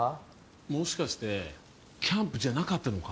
もしかしてキャンプじゃなかったのか？